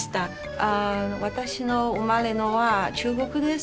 あの私の生まれのは中国です。